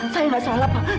saya tidak salah pak